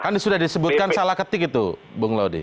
kan sudah disebutkan salah ketik itu bung laude